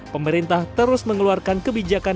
pemerintah terus mengeluarkan kebijakan